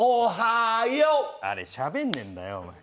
あれしゃべんねえんだよお前。